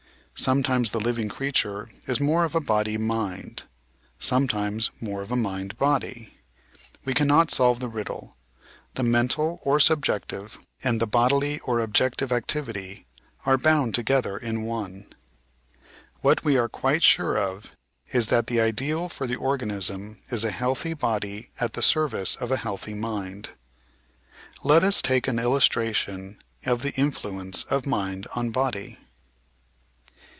Sometimes the living creature is more of a body mind, sometimes more of a mind body. We cannot solve the riddle: the mental or subjective and the bodily or objective activity are bound together in one. What we are quite sure of is that the ideal for the organism is a healthy body at the service of a healthy mind. Let us take an illustration of the influence of mind on body.